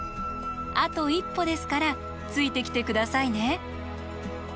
あと一歩ですからついてきて下さいね。